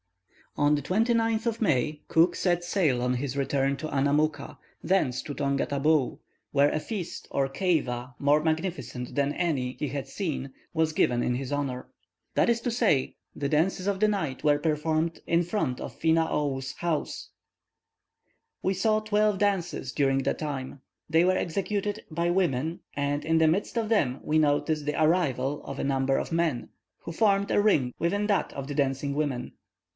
On the 29th of May, Cook set sail on his return to Annamooka, thence to Tonga Tabou, where a feast or "keiva," more magnificent than any he had seen, was given in his honour. "In the evening," he said, "we had the spectacle of a 'bomai,' that is to say, the dances of the night were performed in front of Finaou's house. We saw twelve dances during the time. They were executed by women, and in the midst of them we noticed the arrival of a number of men, who formed a ring within that of the dancing women.